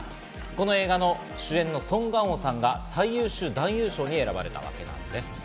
この映画の主演のソン・ガンホさんが最優秀男優賞に選ばれたんです。